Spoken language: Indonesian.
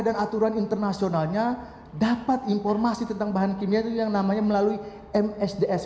dan aturan internasionalnya dapat informasi tentang bahan kimia itu yang namanya melalui msds